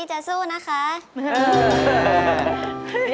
ขอบคุณครับ